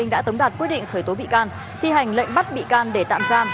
đã tống đạt quyết định khởi tố bị can thi hành lệnh bắt bị can để tạm giam